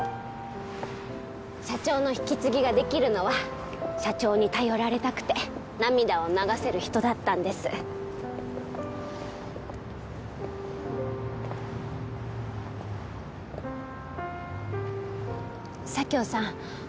社長の引き継ぎができるのは社長に頼られたくて涙を流せる人だったんです佐京さん